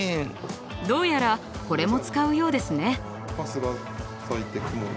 どうやらこれも使うようですね。